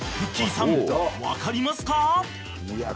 さん分かりますか？］